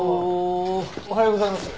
おはようございます。